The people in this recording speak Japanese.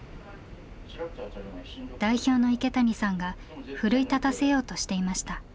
代表の池谷さんが奮い立たせようとしていました。